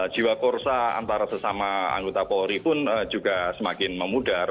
jiwa korsa antara sesama anggota polri pun juga semakin memudar